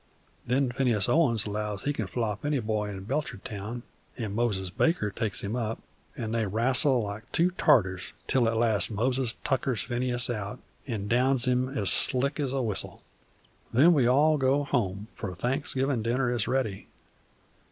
Then Phineas Owens allows he can flop any boy in Belchertown, an' Moses Baker takes him up, an' they wrassle like two tartars, till at last Moses tuckers Phineas out an' downs him as slick as a whistle. "Then we all go home, for Thanksgivin' dinner is ready.